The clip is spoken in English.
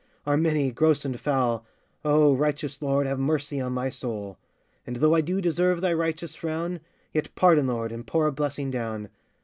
are many, gross and foul, Oh, righteous Lord! have mercy on my soul! And though I do deserve thy righteous frown, Yet pardon, Lord, and pour a blessing down.